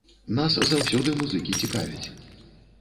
Нас заўсёды музыкі цікавяць.